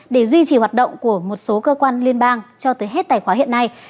để duy trì hoạt động của một số cơ quan liên bang cho tới hết tài khoá hiện nay